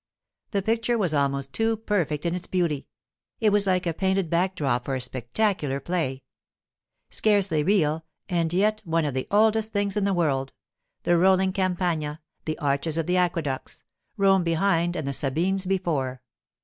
The picture was almost too perfect in its beauty; it was like the painted back drop for a spectacular play. Scarcely real, and yet one of the oldest things in the world—the rolling Campagna, the arches of the aqueducts, Rome behind and the Sabines before.